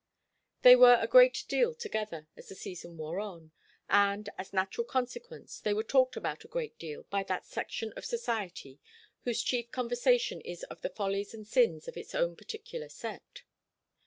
They were a great deal together as the season wore on, and, as a natural consequence, they were talked about a great deal by that section of society whose chief conversation is of the follies and sins of its own particular set.